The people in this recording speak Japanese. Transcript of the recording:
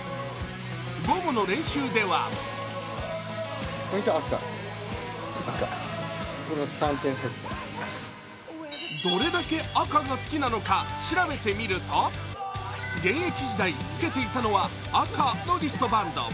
午後の練習ではどれだけ赤が好きなのか調べてみると現役時代、着けていたのは赤のリストバンド。